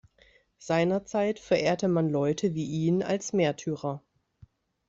Seinerzeit verehrte man Leute wie ihn als Märtyrer.